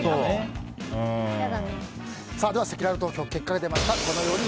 せきらら投票、結果が出ました。